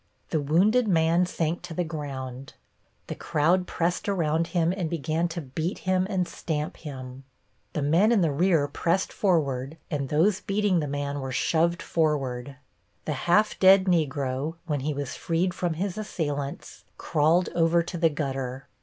The wounded man sank to the ground. The crowd pressed around him and began to beat him and stamp him. The men in the rear pressed forward and those beating the man were shoved forward. The half dead Negro, when he was freed from his assailants, crawled over to the gutter.